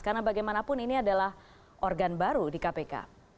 karena bagaimanapun ini adalah organ baru di kpk